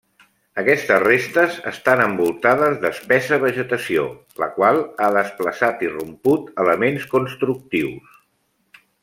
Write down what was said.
Aquestes restes estan envoltades d'espessa vegetació, la qual ha desplaçat i romput elements constructius.